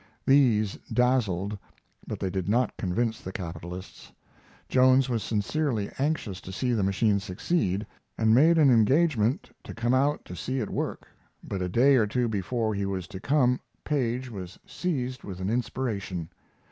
These dazzled, but they did not convince the capitalists. Jones was sincerely anxious to see the machine succeed, and made an engagement to come out to see it work, but a day or two before he was to come Paige was seized with an inspiration.